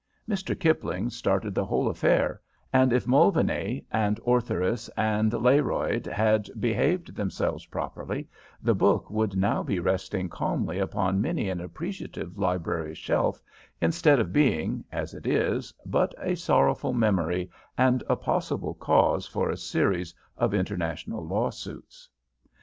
Mr. Kipling started the whole affair, and if Mulvaney and Ortheris and Learoyd had behaved themselves properly the book would now be resting calmly upon many an appreciative library shelf, instead of being, as it is, but a sorrowful memory and a possible cause for a series of international lawsuits.